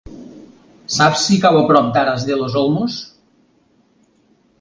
Saps si cau a prop d'Aras de los Olmos?